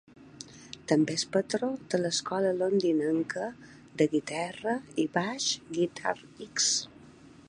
També és patró de l'escola londinenca de guitarra i baix Guitar-X.